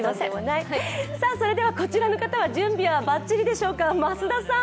それではこちらの方は準備はばっちりでしょうか？